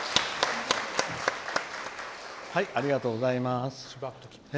ありがとうございます。